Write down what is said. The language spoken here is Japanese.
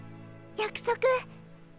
約束。